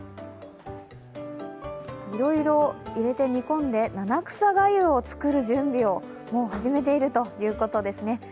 いろいろ入れて、煮込んで七草がゆを作る準備をもう始めているということですね。